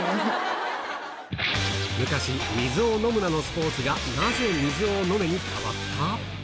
昔、水を飲むな！のスポーツが、なぜ水をのめに変わった？